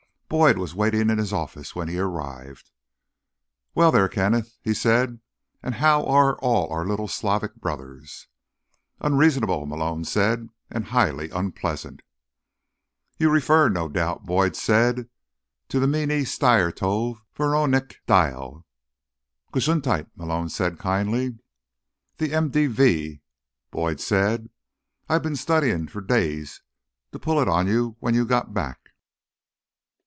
Boyd was waiting in his office when he arrived. "Well, there, Kenneth," he said. "And how are all our little Slavic brothers?" "Unreasonable," Malone said, "and highly unpleasant." "You refer, no doubt," Boyd said, "to the Meeneestyerstvoh Vnootrenikh Dyehl?" "Gesundheit," Malone said kindly. "The MVD," Boyd said. "I've been studying for days to pull it on you when you got back."